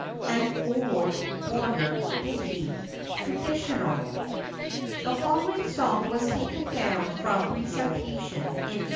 AN OULD BORDER DITTIE. (TRADITIONAL.) [THE following song was taken down from recitation in 1847.